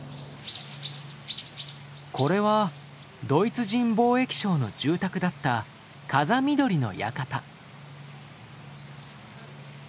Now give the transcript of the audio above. これはドイツ人貿易商の住宅だった風見鶏の館。